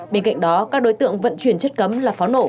bên cạnh đó các đối tượng vận chuyển chất cấm là pháo nổ